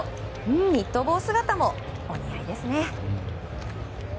ニット帽姿もお似合いですね。